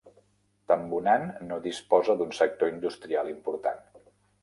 Tambunan no disposa d'un sector industrial important.